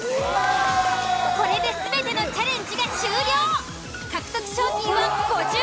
これで全てのチャレンジが終了。